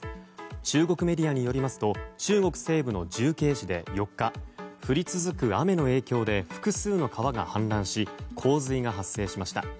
中国メディアによりますと中国西部の重慶市で４日降り続く雨の影響で複数の川が氾濫し洪水が発生しました。